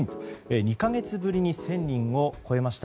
２か月ぶりに１０００人を超えました。